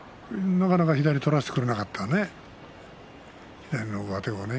なかなか左を取らせてくれなかったね